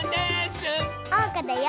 おうかだよ！